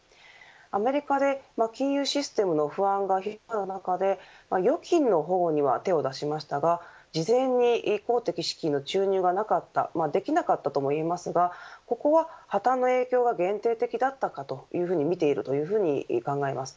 アメリカで、金融システムの不安が広がる中で預金の保護には手を出しましたが事前に公的資金の注入がなかったできなかったともいえますがここは破綻の影響が限定的だったかとみているというふうに考えます。